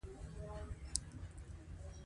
انرژي د ژوند محرک دی.